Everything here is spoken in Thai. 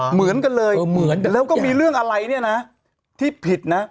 เหมือนกันเลยเหมือนกันแล้วก็มีเรื่องอะไรเนี่ยนะที่ผิดนะ